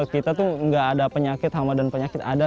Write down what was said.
kita tuh nggak ada penyakit hama dan penyakit ada